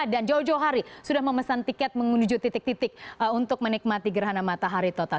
dan jauh jauh hari sudah memesan tiket menuju titik titik untuk menikmati gerhana matahari total